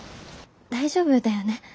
大丈夫だよね？